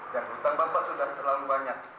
dan hutang bapak sudah terlalu banyak